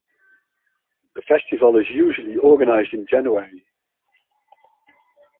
The festival is usually organized in January.